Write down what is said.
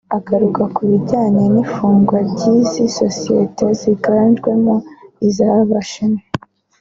Agaruka ku bijyanye n’ifungwa ry’izi sosiyete ziganjemo iz’Abashinwa